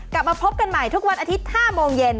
กลับมาพบกันใหม่ทุกวันอาทิตย์๕โมงเย็น